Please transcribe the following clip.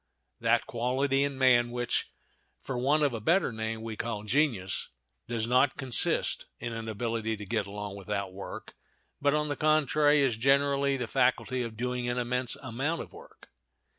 That quality in man which, for want of a better name, we call genius, does not consist in an ability to get along without work, but, on the contrary, is generally the faculty of doing an immense amount of work.